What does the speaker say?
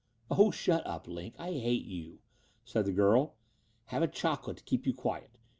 "Oh, shut up, Line, I hate you," said the girl. "Have a chocolate to keep you quiet?